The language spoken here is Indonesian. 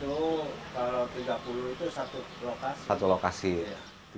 jadi sampai saat ini sudah sampai di pasir putih